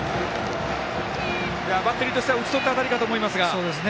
バッテリーとしては打ち取った当たりだと思いますが。